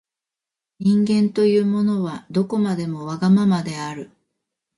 人間というものは、どこまでもわがままである。